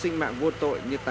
năm thứ một mươi bốn